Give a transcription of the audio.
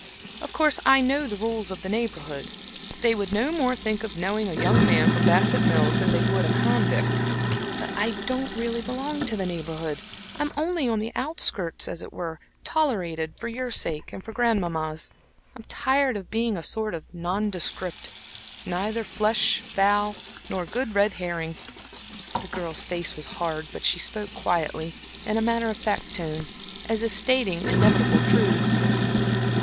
"Of course I know the rules of the Neighborhood. They would no more think of knowing a young man from Bassett Mills than they would a convict. But I don't really belong to the Neighborhood; I'm only on the outskirts, as it were tolerated for your sake and for Grandmamma's. I'm tired of being a sort of nondescript neither flesh, fowl, nor good red herring." The girl's face was hard, but she spoke quietly, in a matter of fact tone, as if stating inevitable truths.